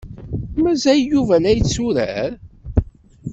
Mazal Yuba la yetturar?